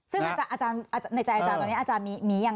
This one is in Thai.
ซึ่งในใจอาจารย์ตอนนี้อาจารย์มีอย่างนั้นครับ